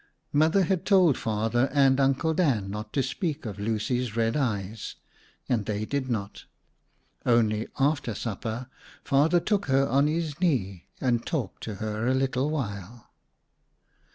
Mother had told Father and Uncle Dan not to speak of Lucy's red eyes, and they did not. Only, after supper, Father took her on his knee and talked to her a little while.